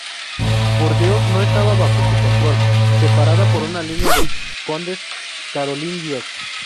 Burdeos no estaba bajo su control, separada por una línea de condes carolingios.